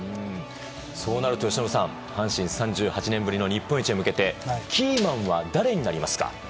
そうなると、由伸さん阪神３１年ぶりの日本一へ向けてキーマンは誰になりますか？